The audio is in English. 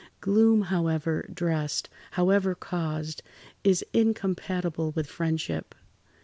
Gloom, however dressed, however caused, is incompatible with friendship.